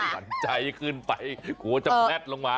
หันใจขึ้นไปหัวจะแม่ดลงมา